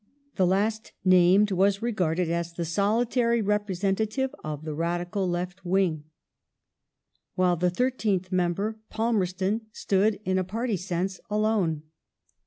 The last named was regarded as the solitary representative of the Radical left wing; while the thirteenth member — Palmerston — stood, in a party sense, alone.